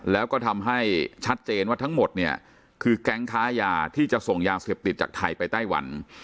แล้วก็ทำให้ชัดเจนว่าทั้งหมดเนี่ยคือแก๊งค้ายาที่จะส่งยาเสพติดจากไทยไปไต้หวัน